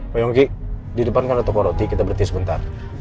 pak yongki di depan kan ada toko roti kita berhenti sebentar